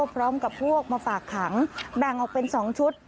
พร้อมกับพวกมาฝากขังแบ่งออกเป็น๒ชุด